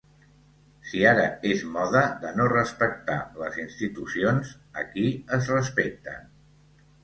Si ara és moda de no respectar les institucions, aquí es respecten.